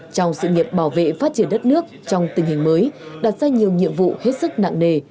trong sự nghiệp bảo vệ phát triển đất nước trong tình hình mới đặt ra nhiều nhiệm vụ hết sức nặng nề